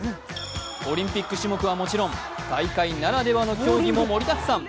オリンピック種目はもちろん大会ならではの競技も盛りだくさん